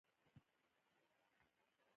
او د هیواد او خلکو د ساتنې په روحیه وروزل شي